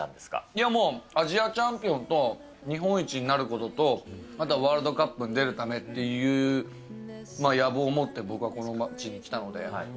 いやもう、アジアチャンピオンと、日本一になることと、またワールドカップに出るためっていう野望を持って、僕はこの街に来たので。